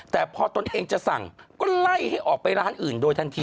แต่พอตนเองจะสั่งก็ไล่ให้ออกไปร้านอื่นโดยทันที